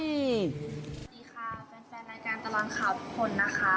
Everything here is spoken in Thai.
สวัสดีค่ะแฟนรายการตลอดข่าวทุกคนนะคะ